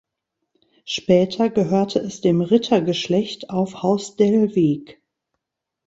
Später gehörte es dem Rittergeschlecht auf Haus Dellwig.